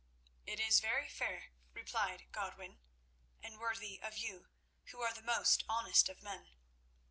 "It is very fair," replied Godwin; "and worthy of you, who are the most honest of men.